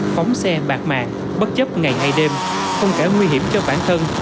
phóng xe bạc mạng bất chấp ngày hay đêm không cả nguy hiểm cho bản thân